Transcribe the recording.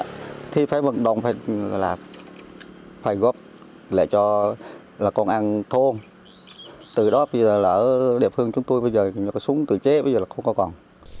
cái vận động phải góp lại cho con ăn thôn từ đó bây giờ là ở địa phương chúng tôi bây giờ có súng tự chế bây giờ là không có còn